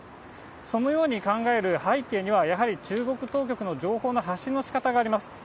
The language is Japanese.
そのように考える背景には、やはり中国当局の情報の発信のしかたがあります。